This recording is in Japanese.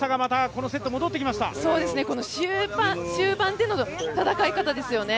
この終盤での戦い方ですよね。